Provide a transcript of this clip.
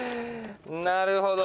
「なるほど」